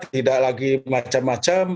tidak lagi macam macam